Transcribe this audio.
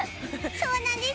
そうなんです。